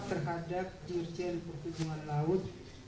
terhadap dirjen perhubungan laut